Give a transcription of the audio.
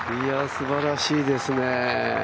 すばらしいですね。